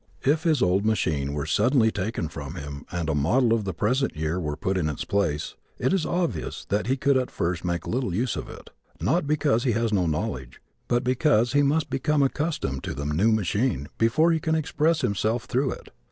If his old machine were suddenly taken from him and a model of the present year were put in its place, it is obvious that he could at first make little use of it not because he has no knowledge but because he must become accustomed to the new machine before he can express himself through it.